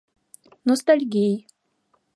НОСТАЛЬГИЙ